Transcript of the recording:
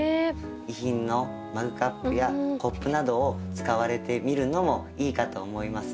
遺品のマグカップやコップなどを使われてみるのもいいかと思いますよ。